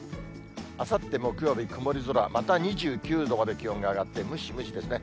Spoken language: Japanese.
あさって木曜日、曇り空、また２９度まで気温が上がってムシムシですね。